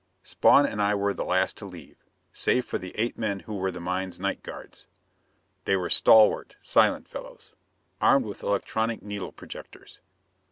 Spawn and I were the last to leave, save for the eight men who were the mine's night guards. They were stalwart, silent fellows, armed with electronic needle projectors.